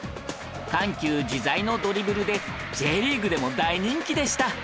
緩急自在のドリブルで Ｊ リーグでも大人気でした